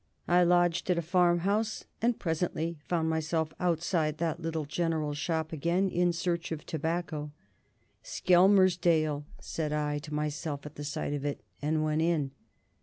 I lodged at a farmhouse, and presently found myself outside that little general shop again, in search of tobacco. "Skelmersdale," said I to myself at the sight of it, and went in.